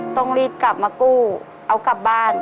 ต้องรีบกลับมากู้เอากลับบ้าน